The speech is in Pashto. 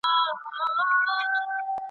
ته له خپل استاد نه څه غواړې؟